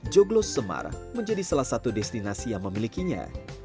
joglo semar menjadi salah satu destinasi yang memilikinya